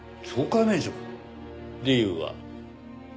理由は？